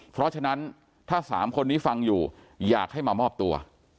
เพราะฉะนั้นถ้า๓คนนี้ฟังอยู่อยากให้มามอบตัว